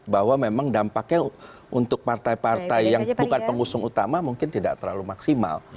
bahwa memang dampaknya untuk partai partai yang bukan pengusung utama mungkin tidak terlalu maksimal